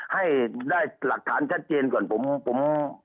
ให้ได้หลักฐานชัดเจนก่อนผม